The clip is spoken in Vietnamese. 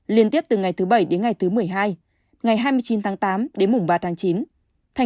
liên tiếp từ ngày thứ bảy đến ngày thứ một mươi hai ngày hai mươi chín tháng tám đến mùng ba tháng chín